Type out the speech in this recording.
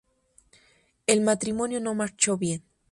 El matrimonio no marchó bien.